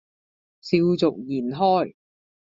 笑逐言開